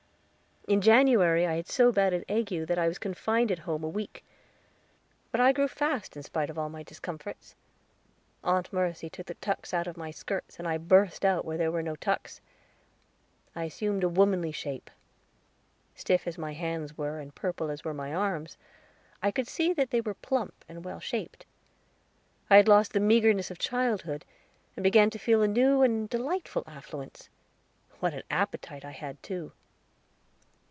In January I had so bad an ague that I was confined at home a week. But I grew fast in spite of all my discomforts. Aunt Mercy took the tucks out of my skirts, and I burst out where there were no tucks. I assumed a womanly shape. Stiff as my hands were, and purple as were my arms, I could see that they were plump and well shaped. I had lost the meagerness of childhood and began to feel a new and delightful affluence. What an appetite I had, too!